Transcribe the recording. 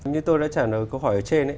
như tôi đã trả lời câu hỏi ở trên